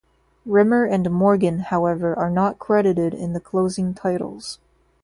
Rimmer and Morgan, however, are not credited in the closing titles.